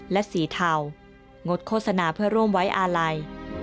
และสีเทางดโฆษณาเพื่อร่วมไว้อาลัย